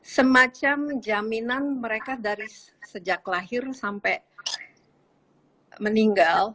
semacam jaminan mereka dari sejak lahir sampai meninggal